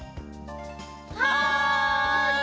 はい！